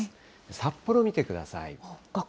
札幌見てください。